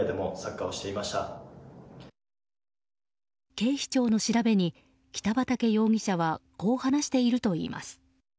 警視庁の調べに北畠容疑者はこう話しているといいます。